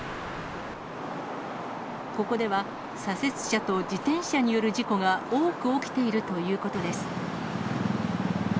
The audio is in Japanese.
ここでは左折車と自転車による事故が多く起きているということです。